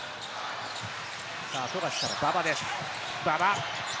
富樫から馬場です、馬場。